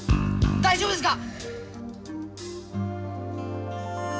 大丈夫ですか？